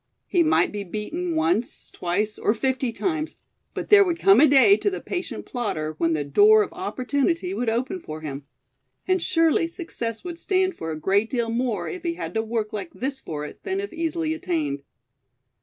He might be beaten once, twice, or fifty times; but there would come a day to the patient plodder when the door of opportunity would open for him. And surely success would stand for a great deal more if he had to work like this for it, than if easily attained.